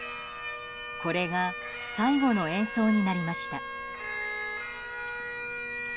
これが最後の演奏になりました。